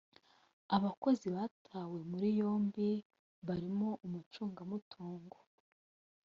Abakozi batawe muri yombi barimo umucungamutungo